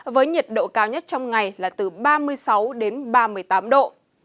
với nhiệt độ cao nhất trong ngày là từ ba mươi sáu đến ba mươi tám độ